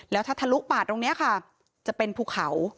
แล้วถ้าทะลุปาดตรงนี้ค่ะจะเป็นภูเขา